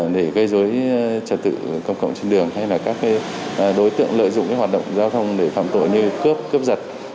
để gây dối trật tự công cộng trên đường hay là các đối tượng lợi dụng hoạt động giao thông để phạm tội như cướp cướp giật